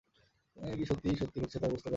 তিনি কি সত্যিই ঘটছে তা বুঝতে পারে না।